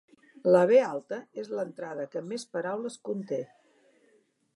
La be alta és l'entrada que més paraules conté.